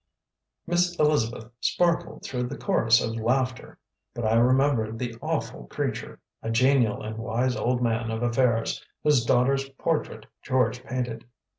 '" Miss Elizabeth sparkled through the chorus of laughter, but I remembered the "awful creature," a genial and wise old man of affairs, whose daughter's portrait George painted.